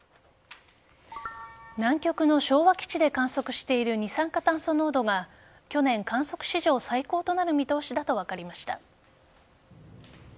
南極の昭和基地で観測している二酸化炭素濃度が去年観測史上最高となる見通しだと分かりました。